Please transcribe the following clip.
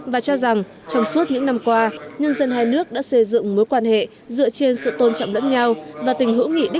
và cho rằng trong suốt những năm qua nhân dân hai nước đã xây dựng mối quan hệ dựa trên sự tôn trọng lẫn nhau và tình hữu nghị